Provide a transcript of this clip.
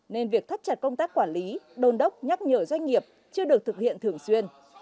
nên việc thắt chặt công tác quản lý đôn đốc nhắc nhở doanh nghiệp chưa được thực hiện thường xuyên